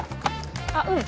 あっうん。